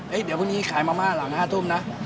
เฮ้ยเดี๋ยวพรุ่งนี้ขายมะมาลั่นหลัง๑๗๐๐เนอะ